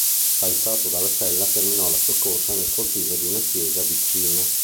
Sbalzato dalla sella, terminò la sua corsa nel cortile di una chiesa vicina.